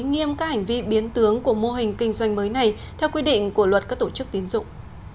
nghiêm các hành vi biến tướng của mô hình kinh doanh mới này theo quy định của luật các tổ chức tiến dụng